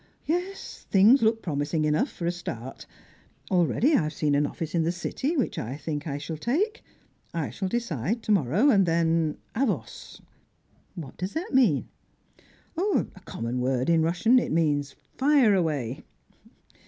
Yes, things look promising enough, for a start. Already I've seen an office in the City, which I think I shall take. I shall decide to morrow, and then avos!" "What does that mean?" "A common word in Russian. It means 'Fire away.'"